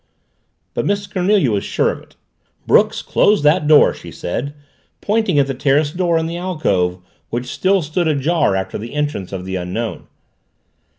But Miss Cornelia was sure of it. "Brooks, close that door!" she said, pointing at the terrace door in the alcove which still stood ajar after the entrance of the Unknown.